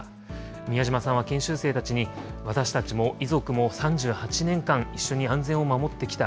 美谷島さんは研修生たちに、私たちも遺族も３８年間、一緒に安全を守ってきた。